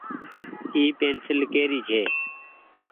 اي پينسيل ڪي ري ڇي۔